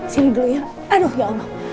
sini dulu ya